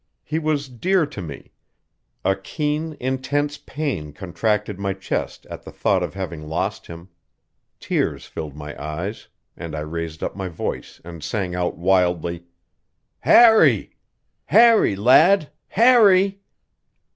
He was dear to me; a keen, intense pain contracted my chest at the thought of having lost him; tears filled my eyes; and I raised up my voice and sang out wildly: "Harry! Harry, lad! Harry!"